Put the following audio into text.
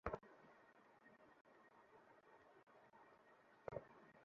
কিন্তু বার্সা-নেইমারের সম্পর্ক আরও অটুট হওয়ার ক্ষেত্রে বাদ সাধতে চান ফ্লোরেন্তিনো পেরেজ।